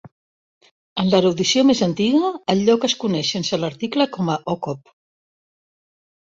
En l'erudició més antiga, el lloc es coneix sense l'article com a Okop.